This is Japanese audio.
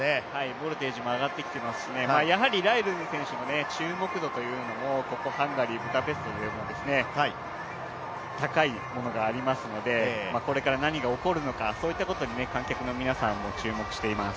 ボルテージも上がってきていますしね、やはりライルズ選手の注目度というのもここハンガリー・ブダペストでも高いものがありますのでこれから何が起こるのか、そういったことに観客の皆さんも注目しています。